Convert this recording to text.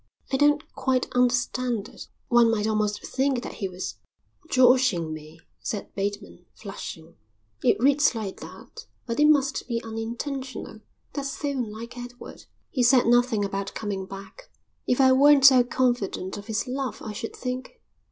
"I don't quite understand it." "One might almost think that he was joshing me," said Bateman, flushing. "It reads like that, but it must be unintentional. That's so unlike Edward." "He says nothing about coming back." "If I weren't so confident of his love I should think....